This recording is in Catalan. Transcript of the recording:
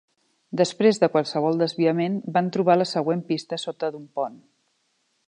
Després de qualsevol desviament, van trobar la següent pista sota d'un pont.